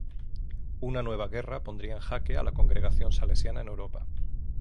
Una nueva guerra pondría en jaque a la congregación salesiana en Europa.